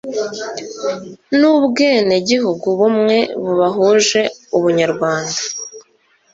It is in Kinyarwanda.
N ubwenegihugu bumwe bubahuje ubunyarwanda